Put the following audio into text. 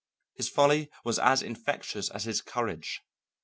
His folly was as infectious as his courage.